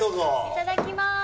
いただきまーす。